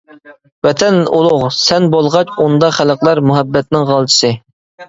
ۋەتەن ئۇلۇغ، سەن بولغاچ ئۇندا خەلقلەر-مۇھەببەتنىڭ غالچىسى.